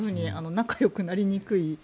仲よくなりにくい。